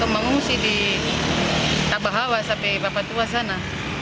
mengungsi di tabahawa sampai bapak tua sana